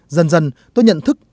dần dần tôi nhận thức